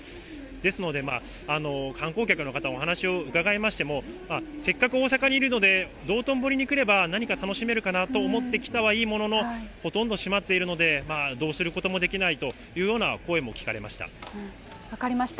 ですので、観光客の方も、お話を伺いましても、せっかく大阪にいるので、道頓堀に来れば、何か楽しめるかなと思って来たはいいものの、ほとんど閉まっているので、どうすることもできないというような分かりました。